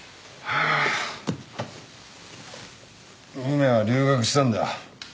梅は留学したんだ。